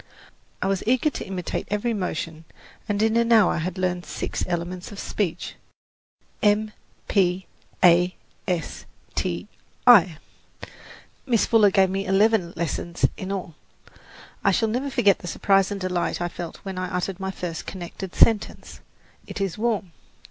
I was eager to imitate every motion and in an hour had learned six elements of speech: M, P, A, S, T, I. Miss Fuller gave me eleven lessons in all. I shall never forget the surprise and delight I felt when I uttered my first connected sentence, "It is warm."